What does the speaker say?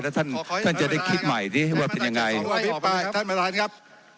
แล้วท่านท่านจะได้คิดใหม่ดิว่าเป็นยังไงท่านเมรานครับ